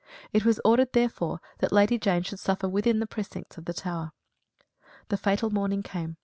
It was ordered, therefore, that Lady Jane should suffer within the precincts of the Tower. The fatal morning came.